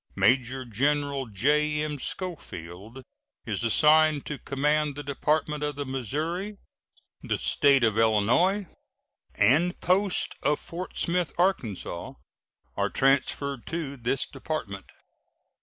Major General J.M. Schofield is assigned to command the Department of the Missouri. The State of Illinois and post of Fort Smith, Ark., are transferred to this department.